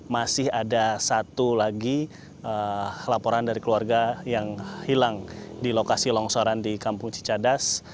masih ada satu lagi laporan dari keluarga yang hilang di lokasi longsoran di kampung cicadas